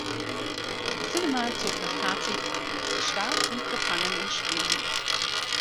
Cinema zog das Fazit „Die Stars sind gefangen in Schwermut“.